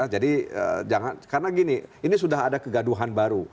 jadi jangan karena gini ini sudah ada kegaduhan baru